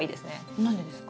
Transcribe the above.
何でですか？